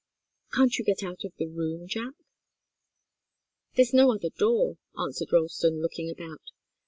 Can't you get out of the room, Jack?" "There's no other door," answered Ralston, looking about.